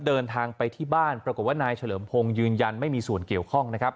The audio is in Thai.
เดินทางไปที่บ้านปรากฏว่านายเฉลิมพงศ์ยืนยันไม่มีส่วนเกี่ยวข้องนะครับ